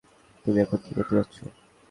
তুমি এখন কী করতে যাচ্ছ?